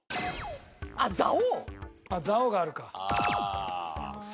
あっ蔵王があるか。